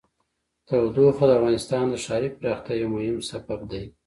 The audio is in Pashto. تودوخه د افغانستان د ښاري پراختیا یو مهم سبب دی.